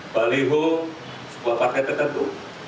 baliho sebuah partai tertentu